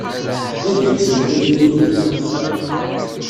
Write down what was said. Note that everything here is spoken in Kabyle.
D agris n tayri i lebda.